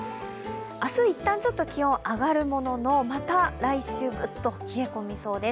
明日一旦、気温は上がるものの、また来週ずっと冷え込みそうです。